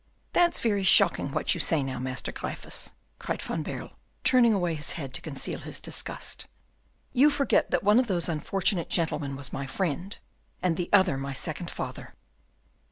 "That's very shocking what you say now, Master Gryphus," cried Van Baerle, turning away his head to conceal his disgust. "You forget that one of those unfortunate gentlemen was my friend, and the other my second father."